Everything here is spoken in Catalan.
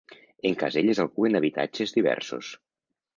Encaselles algú en habitatges diversos.